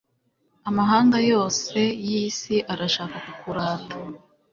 amahanga yose y'isi, arashaka kukurata